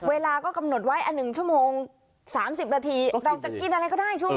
เวลาก็กำหนดไว้อันหนึ่งชั่วโมงสามสิบนาทีเราจะกินอะไรก็ได้